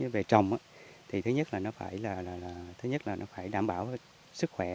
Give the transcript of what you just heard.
về trồng thứ nhất là nó phải đảm bảo sức khỏe